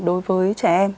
đối với trẻ em